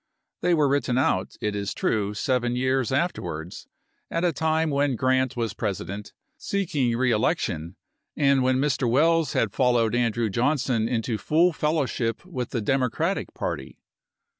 They were written out, it is true, seven years afterwards, at a time when Grant was President, seeking reelection, and when Mr. Welles had followed Andrew Johnson into full fellowship with the Democratic party.